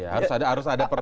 harus ada persetujuan dpr